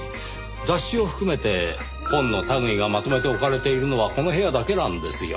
雑誌を含めて本の類いがまとめて置かれているのはこの部屋だけなんですよ。